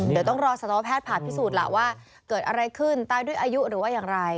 เดี๋ยวต้องรอสัตวแพทย์ผ่าพิสูจน์ล่ะว่าเกิดอะไรขึ้นตายด้วยอายุหรือว่าอย่างไร